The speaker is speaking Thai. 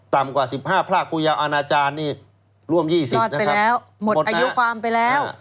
ต่ำกว่า๑๕พระกุยานาจารย์ร่วม๒๐นะครับหมดอายุความไปแล้ว